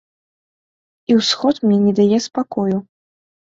І ўсход мне не дае спакою.